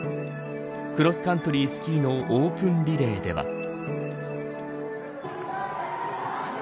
クロスカントリースキーのオープンリレーでは。